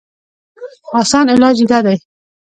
اسان علاج ئې دا دی